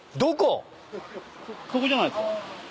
あそこじゃないっすか？